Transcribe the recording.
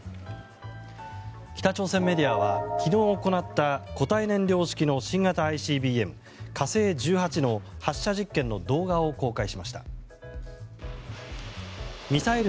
北朝鮮メディアは昨日行った固体燃料式の新型ＩＣＢＭ「火星１８型」の発射実験の動画を公開しました。